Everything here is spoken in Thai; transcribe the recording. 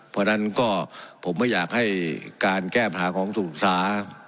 เพราะฉะนั้นก็ผมไม่อยากให้การแก้ปัญหาของถูกศึกษา